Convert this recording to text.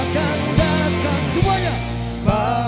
tuhan yang ku cintai